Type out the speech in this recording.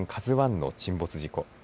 ＫＡＺＵＩの沈没事故。